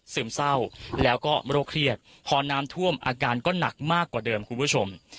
ซึมเศร้าแล้วก็โรคเครียดพอน้ำท่วมอาการก็หนักมากกว่าเดิมคุณผู้ชม